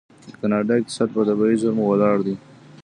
د کاناډا اقتصاد په طبیعي زیرمو ولاړ دی.